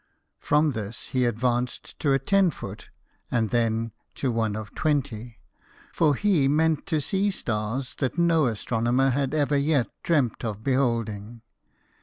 From this he advanced to a ten foot, and then to one of twenty, for he meant to see stars that no astronomer had ever yet dreamt of beholding.